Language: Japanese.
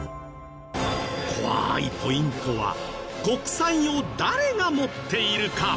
怖いポイントは国債を誰が持っているか。